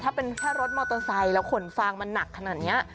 ถ้าเป็นแค่รถมอเตอร์ไซค์แล้วขนฟางมันหนักขนาดนี้